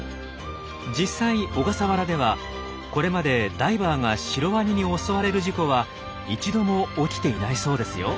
実際小笠原ではこれまでダイバーがシロワニに襲われる事故は一度も起きていないそうですよ。